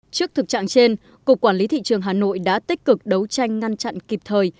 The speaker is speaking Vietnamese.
trước thực trạng trên cục quản lý thị trường hà nội đã tích cực đấu tranh ngăn chặn kịp thời